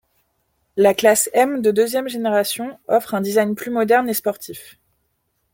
Le Classe M de deuxième génération offre un design plus moderne et sportif.